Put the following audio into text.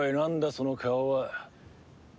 その顔は。